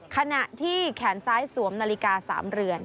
ขณะที่แขนซ้ายสวมนาฬิกา๓เรือน